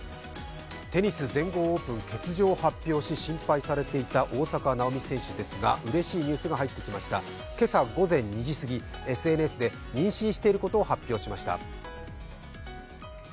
テニス全豪オープンの欠場を発表し心配されていた大坂なおみ選手ですがうれしいニュースが入ってきました、今朝午前２時すぎＳＮＳで、妊娠していることを発表しました。